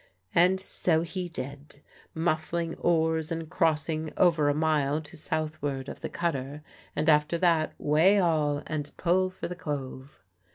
And so he did, muffling oars and crossing over a mile to southward of the cutter, and after that way all! and pull for the Cove.